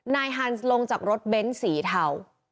ฮันส์ลงจากรถเบ้นสีเทา